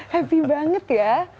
happy banget ya